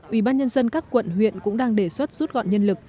ủy ban nhân dân các quận huyện cũng đang đề xuất rút gọn nhân lực